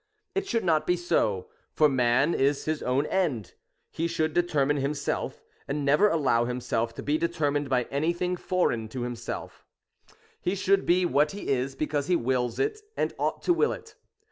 It should not be so ;— for man is his own end, — he should determine himself, and never allow himself to be determined by anything foreign to himself; — he should be what he is, because he wills it, and ought to will it.